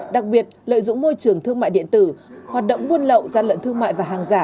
đặc biệt lợi dụng môi trường thương mại điện tử hoạt động buôn lậu gian lận thương mại và hàng giả